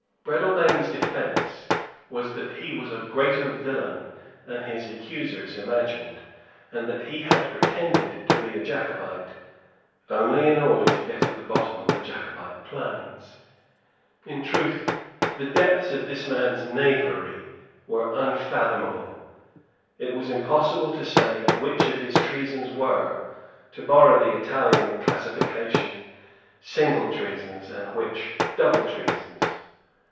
Breadalbane's defence was that he was a greater villain than his accusers imagined, and that he had pretended to be a Jacobite only in order to get at the bottom of the Jacobite plans. In truth the depths of this man's knavery were unfathomable. It was impossible to say which of his treasons were, to borrow the Italian classification, single treasons, and which double treasons.